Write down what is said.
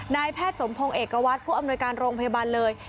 นายแพทย์สมพงศ์เอกวัตรผู้อำนวยการโรงพยาบาลเลย